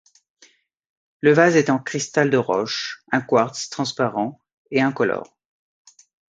Le vase est en cristal de roche, un quartz transparent et incolore.